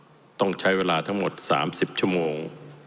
จะต้องใช้เวลามา๓๐ชั่วโมง